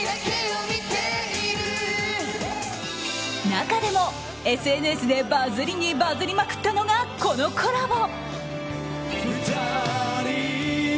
中でもＳＮＳでバズりにバズりまくったのがこのコラボ。